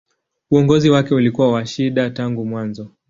Uongozi wake ulikuwa wa shida tangu mwanzo.